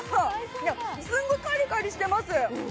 すごいカリカリしてます。